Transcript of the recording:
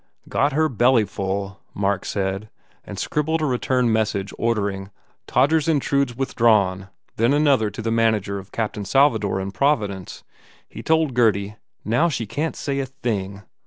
"Got her bellyfull," Mark said and scribbled a return message ordering "Todgers Intrudes" withdrawn then another to the manager of "Captain Salvador" in Providence. He told Gurdy, "Now, she can t say a thing.